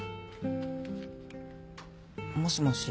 もしもし。